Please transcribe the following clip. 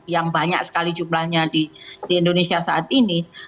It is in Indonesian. yang banyak sekali jumlahnya di indonesia saat ini